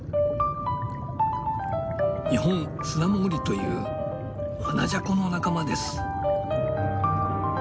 ニホンスナモグリというアナジャコの仲間です。